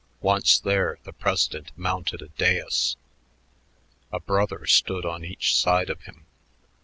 Once there, the president mounted a dais; a "brother" stood on each side of him.